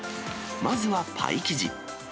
まずはパイ生地。